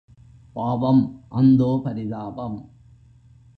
பாவம் அந்தோ, பரிதாபம்!